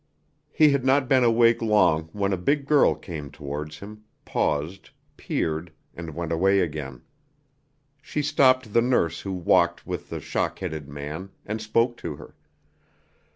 He had not been awake long when a big girl came towards him, paused, peered, and went away again. She stopped the nurse who walked with the shock headed man, and spoke to her.